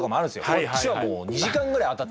こっちはもう２時間ぐらい当たってないのに。